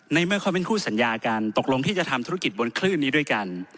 เมื่อเขาเป็นคู่สัญญากันตกลงที่จะทำธุรกิจบนคลื่นนี้ด้วยกัน